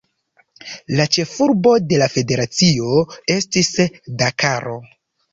La ĉefurbo de la federacio estis Dakaro.